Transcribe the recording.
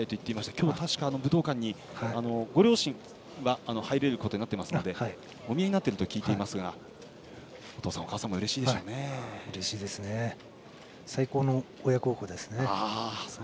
今日は確か武道館にご両親は入れることになっているのでお見えになっていると聞いていますがお父さん、お母さんも最高の親孝行ですね。